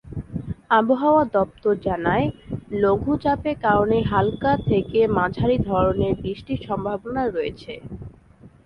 আবহাওয়া দপ্তর জানায়, লঘুচাপের কারণে হালকা থেকে মাঝারি ধরনের বৃষ্টির সম্ভাবনা রয়েছে।